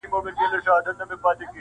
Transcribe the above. خدای بېشکه مهربان او نګهبان دی-